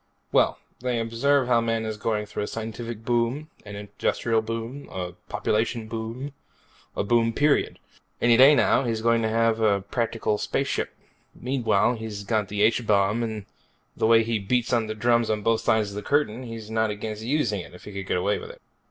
"Well, they observe how man is going through a scientific boom, an industrial boom, a population boom. A boom, period. Any day now he's going to have practical space ships. Meanwhile, he's also got the H Bomb and the way he beats the drums on both sides of the Curtain, he's not against using it, if he could get away with it."